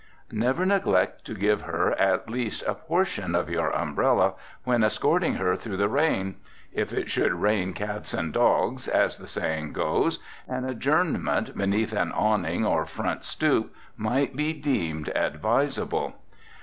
Never neglect to give her at least a portion of your umbrella, when escorting her through the rain. If it should rain cats and dogs, as the saying goes, an adjournment beneath an awning, or front stoop, might be deemed advisable.